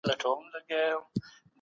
د تغذیې پروګرامونه پلي کیدل.